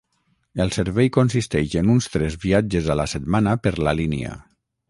El servei consisteix en uns tres viatges a la setmana per la línia.